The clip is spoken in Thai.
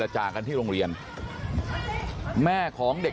เฮ้ยเฮ้ยเฮ้ยเฮ้ยเฮ้ยเฮ้ยเฮ้ย